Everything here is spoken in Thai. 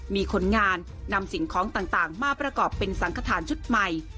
มีคนงานนำสิ่งของต่างมาประกอบเป็นสังขทานชุดใหม่